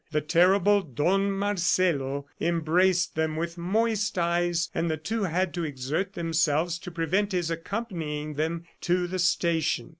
The terrible Don Marcelo embraced them with moist eyes, and the two had to exert themselves to prevent his accompanying them to the station.